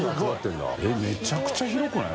┐めちゃくちゃ広くない？